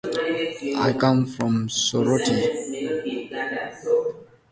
Ma was a local goddess at Ma and a Phrygian alternative name for Cybele.